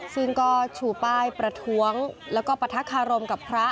ซึ่งก็ชูป้ายประท้วงแล้วก็ปะทะคารมกับพระ